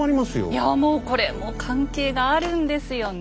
いやもうこれ関係があるんですよね。